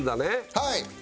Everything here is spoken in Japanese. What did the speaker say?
はい。